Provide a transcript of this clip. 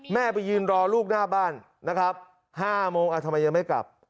ไปยืนรอลูกหน้าบ้านนะครับ๕โมงทำไมยังไม่กลับ